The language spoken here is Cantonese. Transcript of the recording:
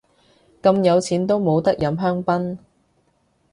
咁有錢都冇得飲香檳